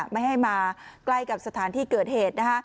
ไม่ให้มาใกล้กับสถานที่เกิดเหตุ